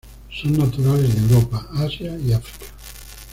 Son naturales de Europa, Asia y África.